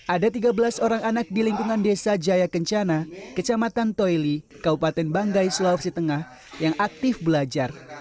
ada tiga belas orang anak di lingkungan desa jaya kencana kecamatan toili kabupaten banggai sulawesi tengah yang aktif belajar